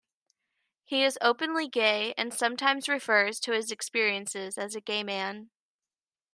He is openly gay and sometimes refers to his experiences as a gay man.